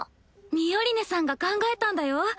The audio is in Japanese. ミオリネさんが考えたんだよ。